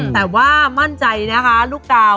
แต่ว่ามั่นใจนะคะลูกกาว